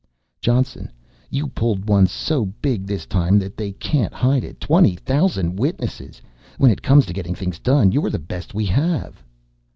"Johnson, you pulled one so big this time that they can't hide it. Twenty thousand witnesses! When it comes to getting things done you're the best we have!"